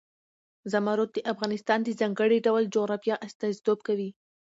زمرد د افغانستان د ځانګړي ډول جغرافیه استازیتوب کوي.